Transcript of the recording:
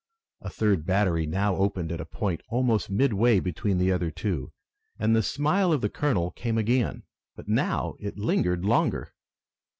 A third battery now opened at a point almost midway between the other two, and the smile of the colonel came again, but now it lingered longer.